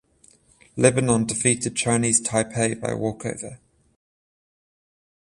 Lebanon defeated Chinese Taipei by walkover.